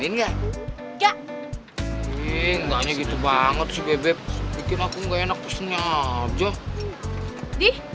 nggak nggaknya gitu banget sih bebek bikin aku nggak enak pesennya aja di